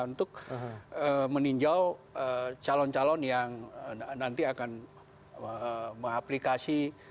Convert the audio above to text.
untuk meninjau calon calon yang nanti akan mengaplikasi